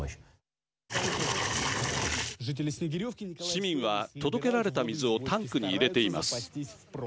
市民は届けられた水をタンクに入れています。